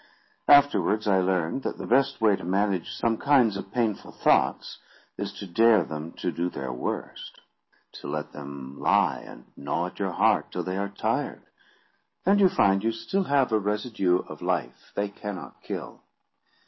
Afterwards I learned, that the best way to manage some kinds of pain filled thoughts, is to dare them to do their worst; to let them lie and gnaw at your heart till they are tired; and you find you still have a residue of life they cannot kill.